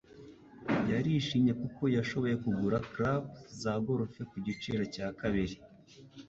yarishimye kuko yashoboye kugura clubs za golf ku giciro cya kabiri.